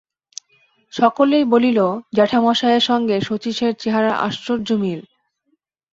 সকলেই বলিল, জ্যাঠামশায়ের সঙ্গে শচীশের চেহারার আশ্চর্য মিল।